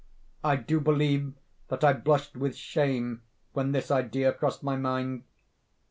I do believe that I blushed with shame when this idea crossed my mind.